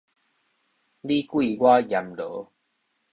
你鬼我閻羅